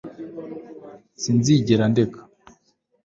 sinzigera ndeka